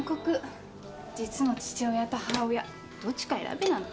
実の父親と母親どっちか選べなんて。